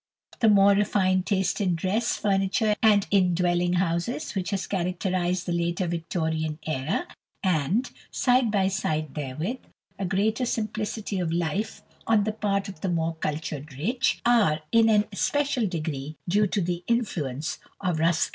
The more refined taste in dress, furniture, and in dwelling houses which has characterized the later Victorian era, and, side by side therewith, a greater simplicity of life on the part of the more cultured rich, are in an especial degree due to the influence of Ruskin.